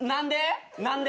何で？